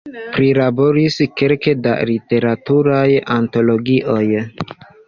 Prilaboris kelke da literaturaj antologioj.